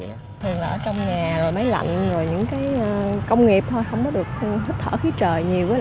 thường ở trong nhà máy lạnh những công nghiệp không được hít thở khí trời nhiều